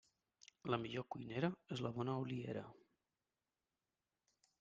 La millor cuinera és la bona oliera.